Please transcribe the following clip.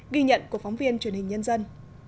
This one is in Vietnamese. ghi nhận của phóng viên truyền hình nhân dân